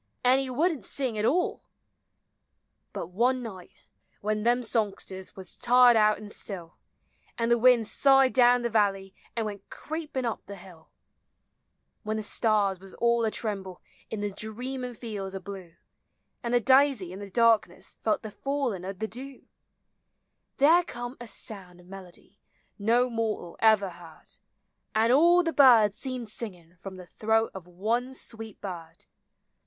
An' he would n't sing at all ! But one night when them songsters Was tired out an' still, An' the wind sighed down the valley An' went creepin' up the hill ; When the stars was all a tremble In the dreamm' fields 0* blue, Aif the daisy in the darfcness Felt (he fallin' <>' the dew, There come a sound <>' melodj No mortal ever heard, An' all the birds seemed sinvin' From the throal <>' one sweet bird